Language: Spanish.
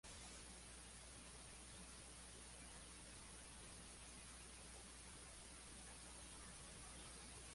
Los títulos no oficiales, sin embargo, conservan prestigio en algunos círculos de la sociedad.